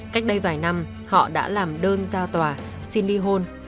cách đây vài năm họ đã làm đơn ra tòa xin li hôn